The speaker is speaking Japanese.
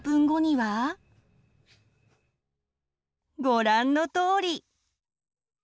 ご覧のとおり！